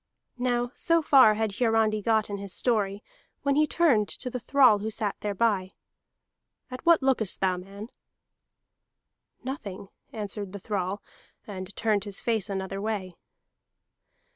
Now so far had Hiarandi got in his story, when he turned to the thrall who sat thereby. "At what lookest thou, man?" "Nothing," answered the thrall, and turned his face another way.